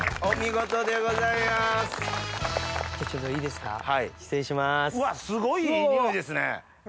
すごいいい匂いですね。